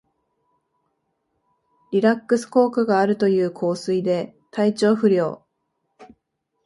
リラックス効果があるという香水で体調不良